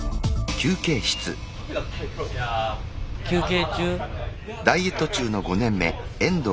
休憩中？